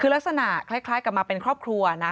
คือลักษณะคล้ายกับมาเป็นครอบครัวนะ